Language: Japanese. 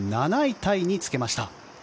タイにつけました。